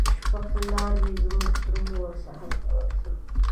شپه دي په لاره وي موږ درومو وسحرته ورځو